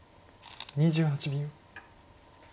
２８秒。